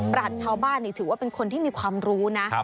ราชชาวบ้านถือว่าเป็นคนที่มีความรู้นะ